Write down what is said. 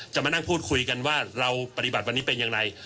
มานั่งพูดคุยกันว่าเราปฏิบัติวันนี้เป็นอย่างไร